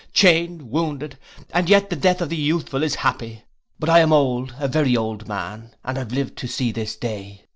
Chained, wounded. And yet the death of the youthful is happy. But I am old, a very old man, and have lived to see this day.